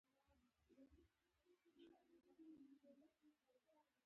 زردالو ته په پښتو کې زردالو وايي.